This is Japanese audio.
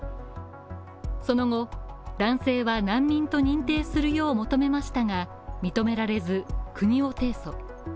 その後、男性は難民と認定するよう求めましたが認められず、国を提訴。